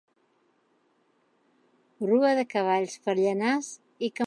Rua de cavalls per Llanars i Camprodon.